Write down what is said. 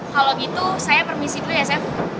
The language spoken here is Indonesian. kalau gitu saya permisi dulu ya chef